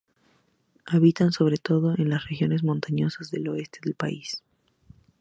Habitan sobre todo en las regiones montañosas del oeste del país.